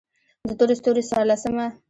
د تور ستوري څوارلسمه: